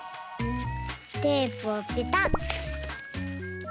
テープをペタッ。